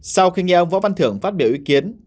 sau khi nghe ông võ văn thưởng phát biểu ý kiến